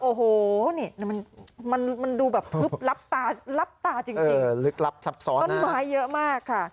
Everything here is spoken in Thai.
โอ้โหเนี้ยมันมันมันดูแบบพึบลับตาลับตาจริงเองเออลึกลับซับซ้อนต้นไม้เยอะมากค่ะ